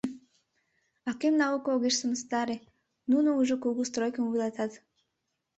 А кӧм науко огеш сымыстаре, нуно уже кугу стройкым вуйлатат.